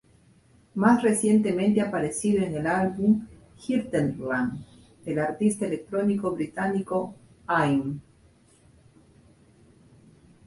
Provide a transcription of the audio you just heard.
Más recientemente ha aparecido en el álbum "Hinterland" del artista electrónico británico Aim.